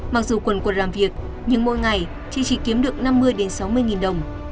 mặc dù quần quật làm việc nhưng mỗi ngày chị chỉ kiếm được năm mươi sáu mươi đồng